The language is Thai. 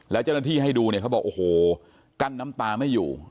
แล้วเจ้าหน้าที่ให้ดูเนี่ยเขาบอกโอ้โหกั้นน้ำตาไม่อยู่